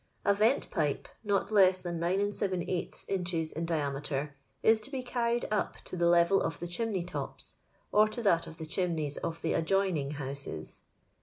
A vent pipe, not less than 9{ inches in diameter, is to be carried up to the level of the chimney tops, or to that of the chimneys d the adjoining houses.